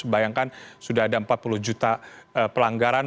bayangkan sudah ada empat puluh juta pelanggaran